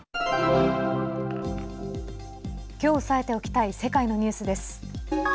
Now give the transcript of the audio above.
きょう押さえておきたい世界のニュースです。